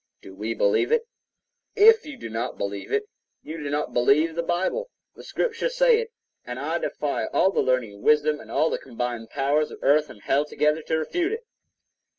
Do we believe it? If you do not believe it, you do not believe the Bible.2 The Scriptures say it, and I defy all the learning and wisdom and all the combined powers of earth and hell together to refute it.